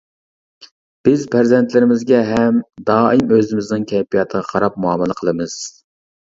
بىز پەرزەنتلىرىمىزگە ھەم دائىم ئۆزىمىزنىڭ كەيپىياتىغا قاراپ مۇئامىلە قىلىمىز.